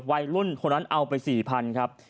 วัยรุ่นคนนั้นเอาไป๔๐๐๐ครับ